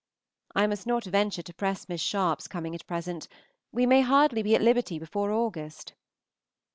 I must not venture to press Miss Sharpe's coming at present; we may hardly be at liberty before August.